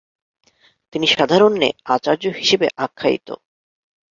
তিনি সাধারণ্যে ‘‘আচার্য’’ হিসেবে আখ্যায়িত।